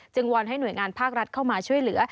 วอนให้หน่วยงานภาครัฐเข้ามาช่วยเหลือ